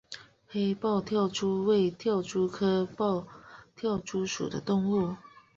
黑豹跳蛛为跳蛛科豹跳蛛属的动物。